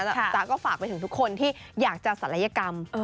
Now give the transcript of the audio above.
จ๊ะก็ฝากไปถึงทุกคนที่อยากจะศัลยกรรม